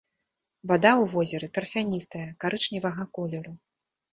Вада ў возеры тарфяністая, карычневага колеру.